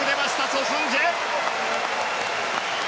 ソ・スンジェ！